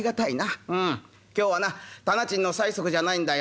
今日はな店賃の催促じゃないんだよ」。